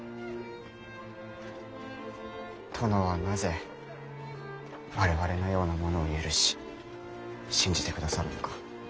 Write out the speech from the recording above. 殿はなぜ我々のような者を許し信じてくださるのか。